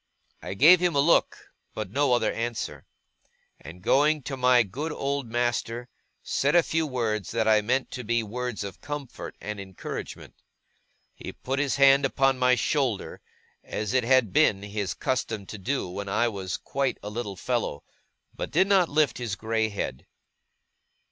I gave him a look, but no other answer; and, going to my good old master, said a few words that I meant to be words of comfort and encouragement. He put his hand upon my shoulder, as it had been his custom to do when I was quite a little fellow, but did not lift his grey head.